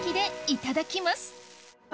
いただきます